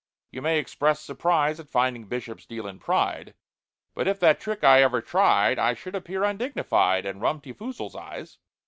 You may express surprise At finding Bishops deal in pride— But if that trick I ever tried, I should appear undignified In Rum ti Foozle's eyes.